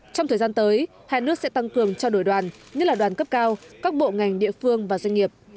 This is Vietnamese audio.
trong thời gian tới hai nước sẽ tăng cường trao đổi đoàn nhất là đoàn cấp cao các bộ ngành địa phương và doanh nghiệp